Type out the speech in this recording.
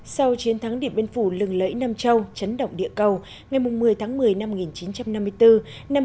sau chiến thắng điện biên phủ lừng lẫy nam châu chấn động địa cầu ngày một mươi tháng một mươi năm một nghìn chín trăm năm mươi bốn